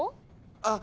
あっ！